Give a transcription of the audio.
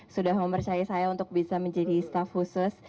sudah mempercayai saya untuk bisa menjadi staff khusus